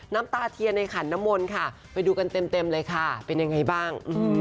น้ำตาเทียนในขันน้ำมนต์ค่ะไปดูกันเต็มเลยค่ะเป็นยังไงบ้าง